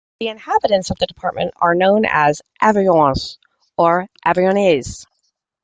The inhabitants of the department are known as "Aveyronnais" or "Aveyronnaises".